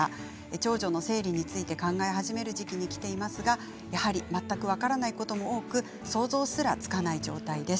長女の生理について考え始める時期にきていますがやはり全く分からないことも多く想像すらつかない状態です。